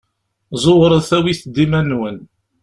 Ẓewret awit-d iman-nwen.